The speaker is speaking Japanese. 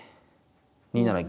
２七銀。